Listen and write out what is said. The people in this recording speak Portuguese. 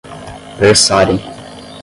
versarem